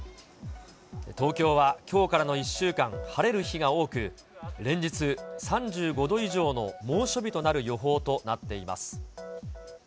東京はきょうからの１週間、晴れる日が多く、連日３５度以上の猛暑日となる予報となっています。